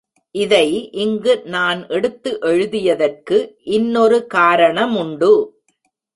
இதை இங்கு நான் எடுத்து எழுதியதற்கு இன்னொரு காரணமுண்டு.